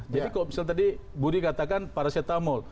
jadi kalau misal tadi budi katakan paracetamol